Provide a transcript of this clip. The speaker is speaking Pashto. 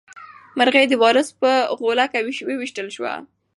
مرغۍ د وارث په غولکه وویشتل شوه.